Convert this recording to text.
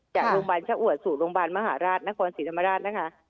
จากโรงพยาบาลชะอวดสู่โรงพยาบาลมหาราชนครศิรภามาราช